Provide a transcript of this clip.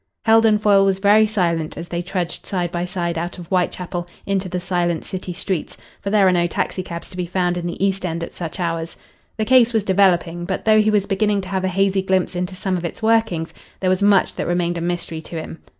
Heldon Foyle was very silent as they trudged side by side out of Whitechapel into the silent City streets for there are no taxicabs to be found in the East End at such hours. The case was developing; but though he was beginning to have a hazy glimpse into some of its workings, there was much that remained a mystery to him.